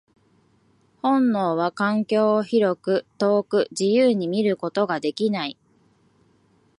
本能は環境を広く、遠く、自由に見ることができない。